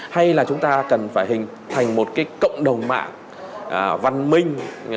hay là chúng ta cần phải hình thành một cái cộng đồng mạng văn minh